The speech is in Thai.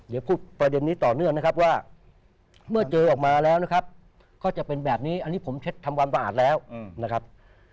เดี๋ยวพูดประเด็นนี้ต่อเนื่องนะครับว่าเมื่อเจอออกมาแล้วนะครับก็จะเป็นแบบนี้อันนี้ผมเช็ดทำความสะอาดแล้วนะครับ